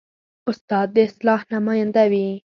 استاد د اصلاح نماینده وي.